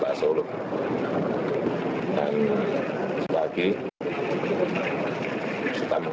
pak sudah berhubung